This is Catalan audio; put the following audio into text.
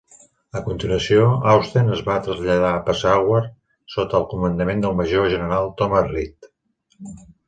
A continuació, Austen es va traslladar a Peshawar sota el comandament del major general Thomas Reed.